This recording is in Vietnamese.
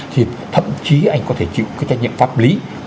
thì thậm chí anh có thể chịu cái trách nhiệm pháp lý